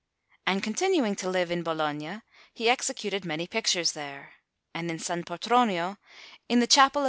And continuing to live in Bologna, he executed many pictures there; and in S. Petronio, in the Chapel of S.